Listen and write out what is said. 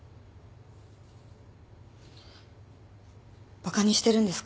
バカにしてるんですか？